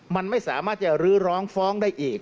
มันไม่สามารถจะรื้อร้องฟ้องได้อีก